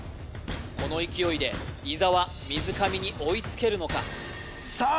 この勢いで伊沢水上に追いつけるのかさあ